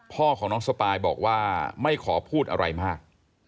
พ่อของน้องสปายบอกว่าไม่ขอพูดอะไรมาก